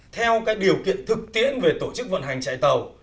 theo các điều kiện thực tiễn về tổ chức vận hành chạy tàu